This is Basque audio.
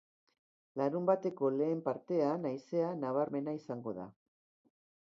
Larunbateko lehen partean haizea nabarmena izango da.